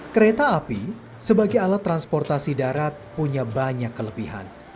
kereta api sebagai alat transportasi darat punya banyak kelebihan